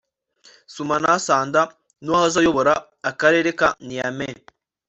Soumana Sanda n’uwahoze ayobora Akarere ka Niamey